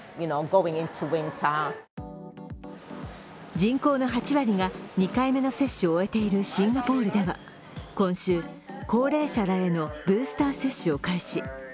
人口の８割が２回目の接種を終えているシンガポールでは今週、高齢者らへのブースター接種を開始。